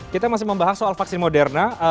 kita masih membahas soal vaksin moderna